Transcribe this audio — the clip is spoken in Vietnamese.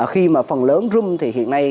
khi mà phần lớn rung thì hiện nay